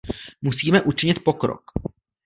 Musíme učinit pokrok.